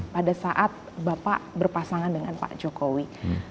pada saat bapak berpasangan dengan pak jokowi